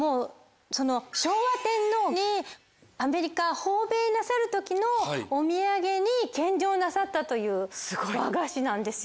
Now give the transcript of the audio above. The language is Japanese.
昭和天皇にアメリカ訪米なさる時のお土産に献上なさったという和菓子なんですよ。